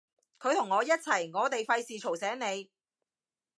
佢同我一齊，我哋費事嘈醒你